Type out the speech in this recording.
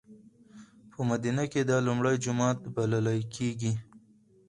په مدینه کې دا لومړی جومات بللی کېږي.